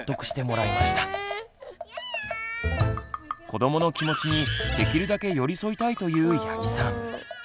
子どもの気持ちにできるだけ寄り添いたいという八木さん。